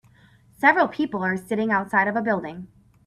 Several people are sitting outside of a building.